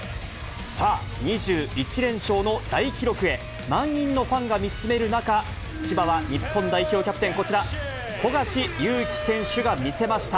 さあ、２１連勝の大記録へ、満員のファンが見つめる中、千葉は日本代表キャプテン、こちら、富樫勇樹選手が見せました。